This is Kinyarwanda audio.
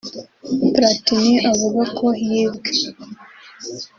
Platini avuga ko yibwe